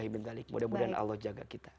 mudah mudahan allah jaga kita